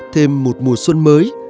thêm một mùa xuân mới